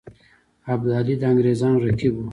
ابدالي د انګرېزانو رقیب وو.